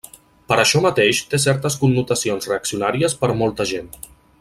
Per això mateix té certes connotacions reaccionàries per a molta gent.